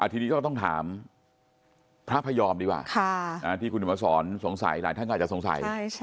ทีนี้ก็ต้องถามพระพยอมดีกว่าที่คุณมาสอนสงสัยหลายท่านก็อาจจะสงสัย